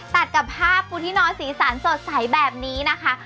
ตัดกับผ้าปูที่นอนสีสันสดใสแบบนี้นะคะ